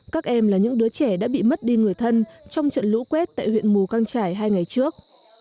các em là những đứa trẻ đã bị mất đi người thân trong trận lũ quét tại huyện mù căng trải hai ngày trước